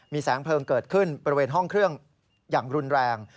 แสงเพลิงเกิดขึ้นบริเวณห้องเครื่องอย่างรุนแรง